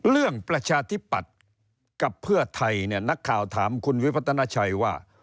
ประชาธิปัตย์กับเพื่อไทยเนี่ยนักข่าวถามคุณวิพัฒนาชัยว่า